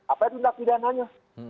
apa itu tindak pidananya